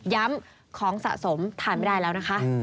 ย้ำของสะสมถามไม่ได้แล้วนะคะ